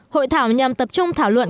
hội thảo nhằm tập trung thảo luận